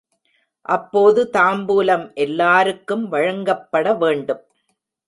அப்போது தாம்பூலம் எல்லாருக்கும் வழங்கப்பட வேண்டும்.